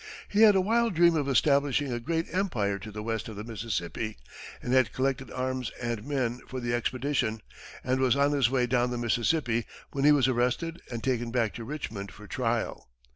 He had a wild dream of establishing a great empire to the west of the Mississippi, and had collected arms and men for the expedition, and was on his way down the Mississippi when he was arrested and taken back to Richmond for trial.